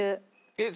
えっ？